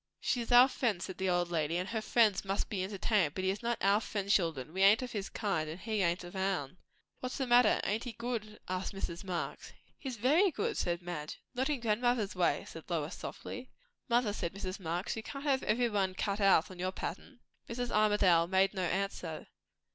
"She is our friend," said the old lady; "and her friends must be entertained; but he is not our friend, children. We ain't of his kind, and he ain't of our'n." "What's the matter? Ain't he good?" asked Mrs. Marx. "He's very good!" said Madge. "Not in grandmother's way," said Lois softly. "Mother," said Mrs. Marx, "you can't have everybody cut out on your pattern." Mrs. Armadale made no answer.